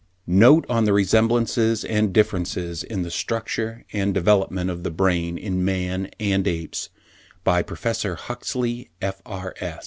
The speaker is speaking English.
NOTE ON THE RESEMBLANCES AND DIFFERENCES IN THE STRUCTURE AND THE DEVELOPMENT OF THE BRAIN IN MAN AND APES BY PROFESSOR HUXLEY, F.R.